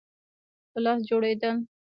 په لاس جوړېدل.